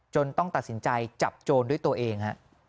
ต้องตัดสินใจจับโจรด้วยตัวเอง